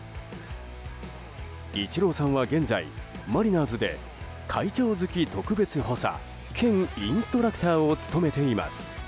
イチローさんは現在マリナーズで会長付特別補佐兼インストラクターを務めています。